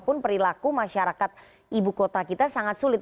pun perilaku masyarakat ibu kota kita sangat sulit